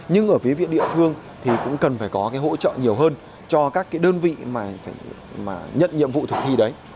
nhưng ở phía viện địa phương thì cũng cần phải có hỗ trợ nhiều hơn cho các đơn vị mà nhận nhiệm vụ thực thi đấy